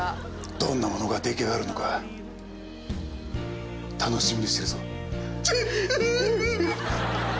どんなものが出来上がるのか楽しみにしてるぞ。